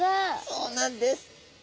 そうなんです。